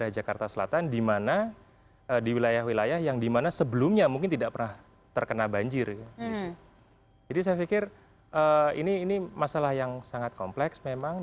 jadi ini adalah masalah yang sangat kompleks memang